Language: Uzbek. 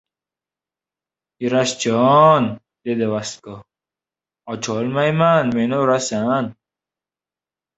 – Yurashjon, – dedi Vasko, – ocholmayman, meni urasan.